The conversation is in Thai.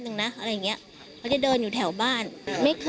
ก็เลยแบบหลับอะไรอย่างเงี้ยก็คือหลับไม่รู้แล้วรู้อีกทีนึง